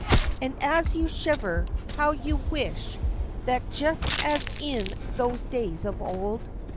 And as you shiver, how you wish that just as in those days of old.